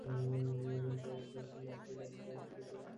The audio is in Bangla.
কিন্তু এখন নাকফুল, লকেট, আংটির মতো ছোট ছোট গয়না ঈদে বিক্রি হয়।